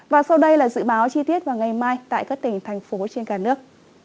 và sau đây là dự báo chi tiết vào ngày mai tại các tỉnh thành phố trên cả nước